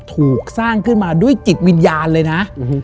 ถูกสร้างขึ้นมาด้วยจิตวิญญาณเลยนะ